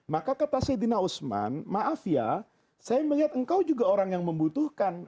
maka kata sayyidina usman maaf ya saya melihat engkau juga orang yang membutuhkan